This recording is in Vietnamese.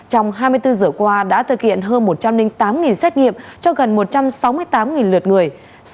trong hai mươi bốn giờ qua đã thực hiện hơn một trăm linh tám xét nghiệm cho gần một trăm sáu mươi tám lượt người